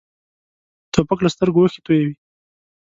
توپک له سترګو اوښکې تویوي.